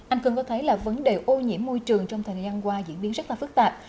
anh cường có thấy là vấn đề ô nhiễm môi trường trong thời gian qua diễn biến rất là phức tạp